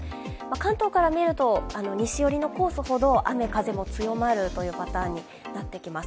関東から見ると西寄りのコースほど雨・風も強まるというパターンになってきます。